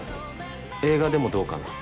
映画でもどうかな？